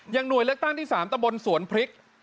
หน่วยเลือกตั้งที่๓ตะบนสวนพริก